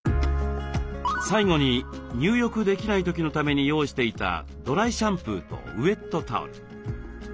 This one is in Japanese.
最後に入浴できない時のために用意していたドライシャンプーとウエットタオル。